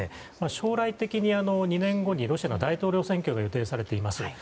将来的には２年後にロシアが大統領選挙を予定されています。